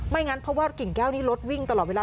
งั้นเพราะว่ากิ่งแก้วนี้รถวิ่งตลอดเวลา